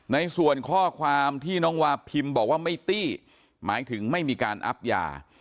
ในส่วนข้อความที่น้องวาพิมบอกว่าไม่ตี้หมายถึงไม่มีการอับยา